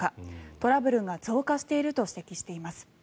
トラブルが増加していると指摘しています。